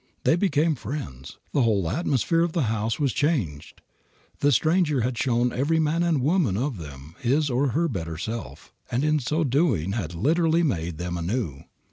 They became friends. The whole atmosphere of the house was changed. The Stranger had shown every man and woman of them his or her better self, and in so doing had literally made them anew.